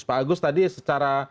pak agus tadi secara